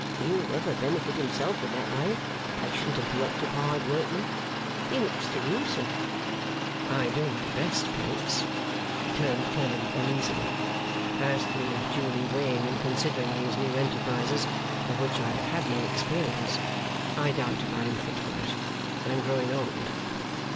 He'll never benefit himself in that way, patient and preoccupied workman. He looks to you, sir.' 'I do my best, Pancks,' returned Clennam, uneasily. 'As to duly weighing and considering these new enterprises of which I have had no experience, I doubt if I am fit for it, I am growing old.